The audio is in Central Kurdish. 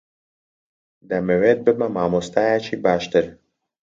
دەمەوێت ببمە مامۆستایەکی باشتر.